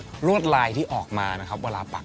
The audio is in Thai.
การปรักแบบนี้คือคุณก้ามปรักผ้ามาสักพัก